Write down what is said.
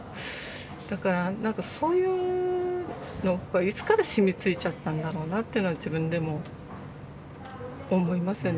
だから何かそういうのいつから染みついちゃったんだろうなっていうのは自分でも思いますよね。